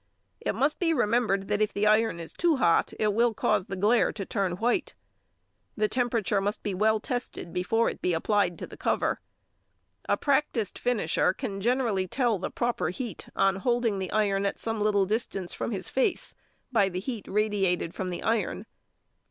It must be remembered that if the iron is too hot it will cause the glaire to turn white. The temperature must be well tested before it be applied to the cover. A practised finisher can generally tell the proper heat on holding the iron at some little distance from his face, by the heat radiated from the iron.